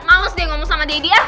males deh ngomong sama deddy ya